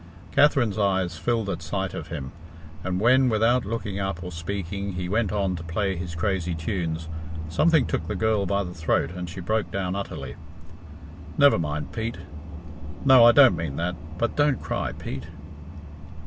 Katherine's eyes filled at sight of him, and when, without looking up or speaking, he went on to play his crazy tunes, something took the girl by the throat and she broke down utterly. "Never mind, Pete. No I don't mean that but don't cry, Pete."